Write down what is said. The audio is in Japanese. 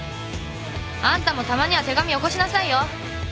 あんたもたまには手紙よこしなさいよ。